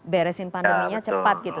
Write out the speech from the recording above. beresin pandeminya cepat gitu